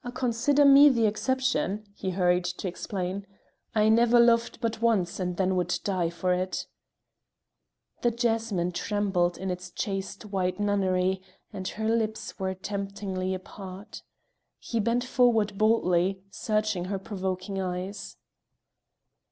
"Consider me the exception," he hurried to explain. "I never loved but once, and then would die for it." The jasmine trembled in its chaste white nunnery, and her lips were temptingly apart. He bent forward boldly, searching her provoking eyes.